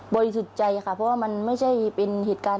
สุดใจค่ะเพราะว่ามันไม่ใช่เป็นเหตุการณ์